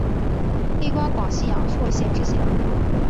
历官广西阳朔县知县。